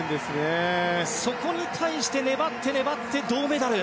そこに対して粘って粘って、銅メダル。